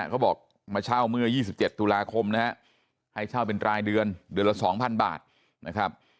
เขาบอกมาเช่าเมื่อ๒๗ตุลาคมนะฮะให้เช่าเป็นรายเดือนเดือนละ๒๐๐บาทนะครับ